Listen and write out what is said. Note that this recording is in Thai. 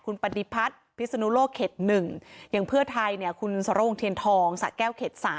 คุณปฏิพัฒน์พิสนุโลกศ์๑อย่างเพื่อไทยคุณสโรงเทียนทองสะแก้ว๓